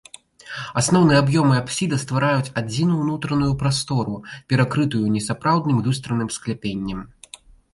Асноўны аб'ём і апсіда ствараюць адзіную ўнутраную прастору, перакрытую несапраўдным люстраным скляпеннем.